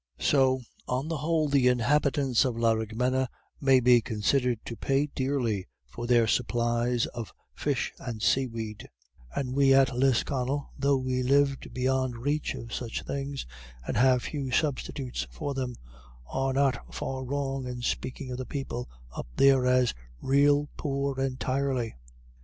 So, on the whole, the inhabitants of Laraghmena may be considered to pay dearly for their supplies of fish and seaweed; and we at Lisconnel, though we live beyond reach of such things, and have few substitutes for them, are not far wrong in speaking of the people up there as "rael poor entirely."